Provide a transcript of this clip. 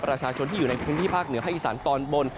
ประชาชนที่อยู่ในพื้นที่ภาคเหนือภาคอีสานตอนบน